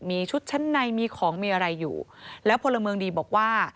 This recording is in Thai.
มีชุดชั้นในมีของมีอะไรอยู่แล้วพลเมืองดีบอกว่า